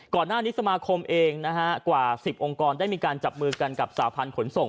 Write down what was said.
กว่า๑๐องค์กรได้มีการจับมือกันกับสาธารณ์ผลส่ง